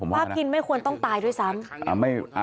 ป้ากินไม่ควรต้องตายด้วยซ้ำ